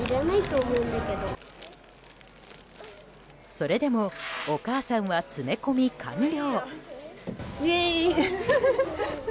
それでもお母さんは詰め込み完了。